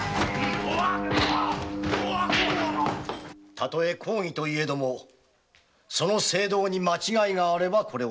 たとえ公儀といえどもその政道に間違いがあれば正さねばならぬ。